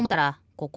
ここ。